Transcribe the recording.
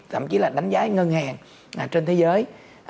thậm chí là đánh giá ngân hàng trên thế giới